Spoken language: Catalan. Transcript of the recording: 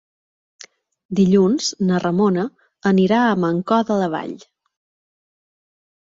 Dilluns na Ramona anirà a Mancor de la Vall.